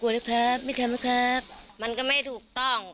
กลัวแล้วครับไม่ทำแล้วครับมันก็ไม่ถูกต้อง